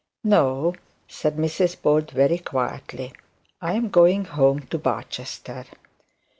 'No,' said Mrs Bold, very quietly; 'I am going home to Barchester.'